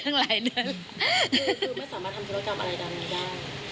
คือไม่สามารถทำธุรกรรมอะไรก็ไม่ได้